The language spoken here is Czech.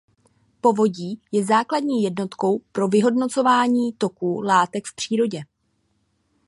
Povodí je základní jednotkou pro vyhodnocování toků látek v přírodě.